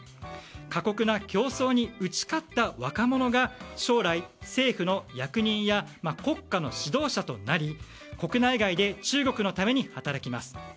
過酷な競争に打ち勝った若者が将来、政府の役人や国家の指導者となり国内外で中国のために働きます。